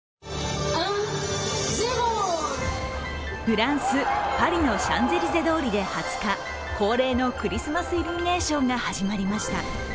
フランス・パリのシャンゼリゼ通りで２０日、恒例のクリスマスイルミネーションが始まりました。